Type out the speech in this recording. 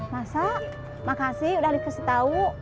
masa makasih udah dikasih tau